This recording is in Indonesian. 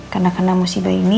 karena karena musibah ini